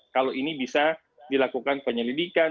kalau ini bisa dilakukan penyelidikan